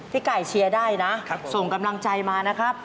ไก่เชียร์ได้นะส่งกำลังใจมานะครับ